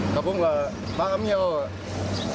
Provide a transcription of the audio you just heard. กับผมกับพ่อกับเมียก็เอา